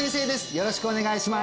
よろしくお願いします